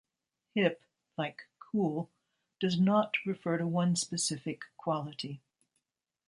"Hip", like "cool", does not refer to one specific quality.